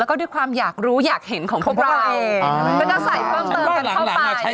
แล้วก็ด้วยความอยากรู้อยากเห็นของพวกเราก็จะใส่เพิ่มเติมเข้าไป